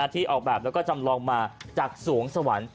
ที่ออกแบบแล้วก็จำลองมาจากสวงสวรรค์